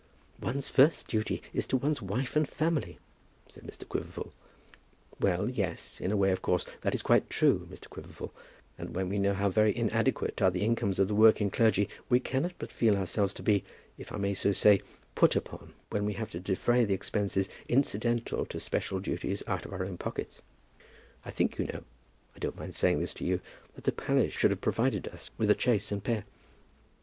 "One's first duty is to one's own wife and family," said Mr. Quiverful. "Well, yes; in a way, of course, that is quite true, Mr. Quiverful; and when we know how very inadequate are the incomes of the working clergy, we cannot but feel ourselves to be, if I may so say, put upon, when we have to defray the expenses incidental to special duties out of our own pockets. I think, you know, I don't mind saying this to you, that the palace should have provided us with a chaise and pair."